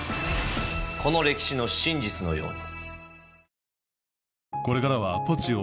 この歴史の真実のように。